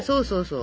そう